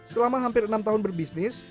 selama hampir enam tahun berbisnis